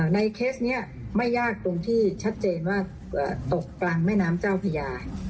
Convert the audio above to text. เคสนี้ไม่ยากตรงที่ชัดเจนว่าตกกลางแม่น้ำเจ้าพญา